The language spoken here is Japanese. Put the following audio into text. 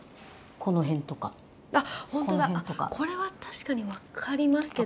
これは確かに分かりますけど。